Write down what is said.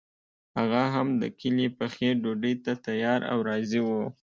هغه هم د کلي پخې ډوډۍ ته تیار او راضي وو.